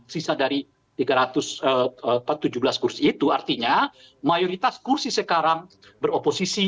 sisa dari tiga ratus tujuh belas kursi itu artinya mayoritas kursi sekarang beroposisi